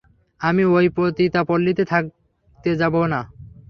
আমি ওই পতিতাপল্লীতে থাকতে যাবো না।